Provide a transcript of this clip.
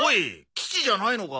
基地じゃないのか？